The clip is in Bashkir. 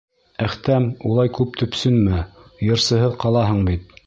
Әхтәм, улай күп төпсөнмә, йырсыһыҙ ҡалаһың бит.